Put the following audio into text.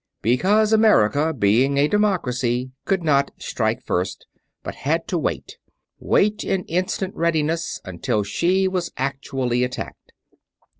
Because America, being a democracy, could not strike first, but had to wait wait in instant readiness until she was actually attacked.